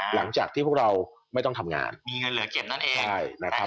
หลังจากที่พวกเราไม่ต้องทำงานมีเงินเหลือเก็บนั่นเองใช่นะครับ